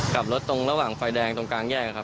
กลับรถตรงระหว่างไฟแดงตรงกลางแยกครับ